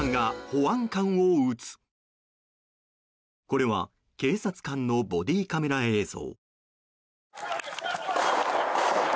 これは警察官のボディーカメラ映像。